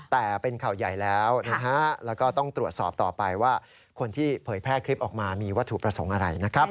แต่เป็นข่าวใหญ่แล้วนะฮะแล้วก็ต้องตรวจสอบต่อไปว่าคนที่เผยแพร่คลิปออกมามีวัตถุประสงค์อะไรนะครับ